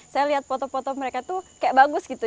saya lihat foto foto mereka tuh kayak bagus gitu